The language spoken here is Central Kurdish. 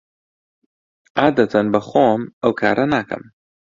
عادەتەن بەخۆم ئەو کارە ناکەم.